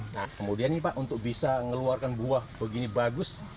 nah kemudian nih pak untuk bisa ngeluarkan buah begini bagus